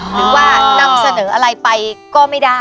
หรือว่านำเสนออะไรไปก็ไม่ได้